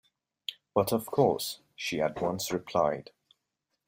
"But of course," she at once replied.